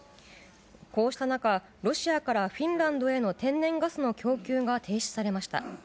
こうした中、ロシアからフィンランドへの天然ガスの供給が停止されました。